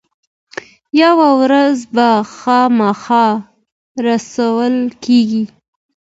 یوه ورځ به خامخا رسوا کیږي.